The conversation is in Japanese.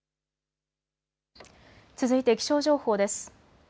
続いて気象情報です。